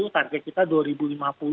target kita rp dua lima puluh